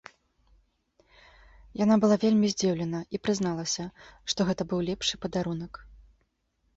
Яна была вельмі здзіўлена і прызналася, што гэта быў лепшы падарунак.